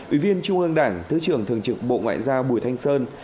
ủy viên trung ương đảng thứ trưởng thường trực bộ ngoại giao bùi thanh sơn